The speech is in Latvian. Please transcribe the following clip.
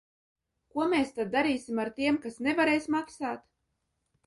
Ko mēs tad darīsim ar tiem, kas nevarēs maksāt?